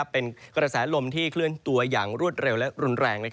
เป็นกระแสลมที่เคลื่อนตัวอย่างรวดเร็วและรุนแรง